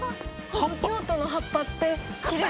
この京都の葉っぱってきれい。